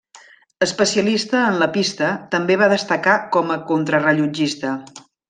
Especialista en la pista també va destacar com a contrarellotgista.